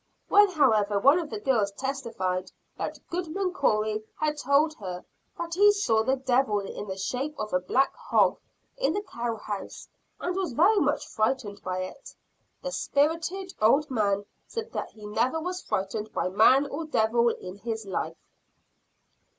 When however one of the girls testified that Goodman Corey had told her that he saw the devil in the shape of a black hog in the cow house, and was very much frightened by it, the spirited old man said that he never was frightened by man or devil in his life.